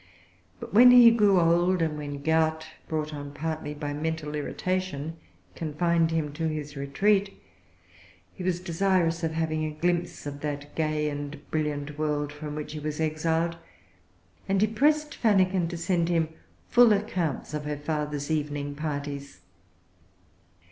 But when he grew old, and when gout, brought on partly by mental irritation, confined him to his retreat, he was desirous of having a[Pg 347] glimpse of that gay and brilliant world from which he was exiled, and he pressed Fannikin to send him full accounts of her father's evening parties.